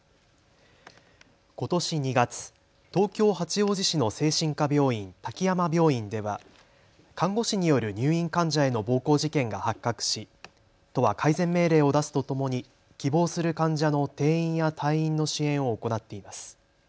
ことし２月、東京八王子市の精神科病院、滝山病院では看護師による入院患者への暴行事件が発覚し都は改善命令を出すとともに希望する患者の転院や退院の支援を行っています。